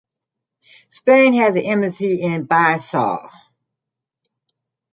Spain has an embassy in Bissau.